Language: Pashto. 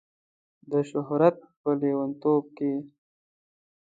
د شهرت په لیونتوب کې